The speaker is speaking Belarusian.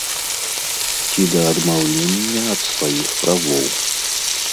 Ці да адмаўлення ад сваіх правоў.